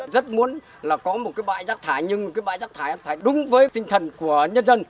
rất muốn là có một cái bãi rác thải nhưng cái bãi rác thải đúng với tinh thần của nhân dân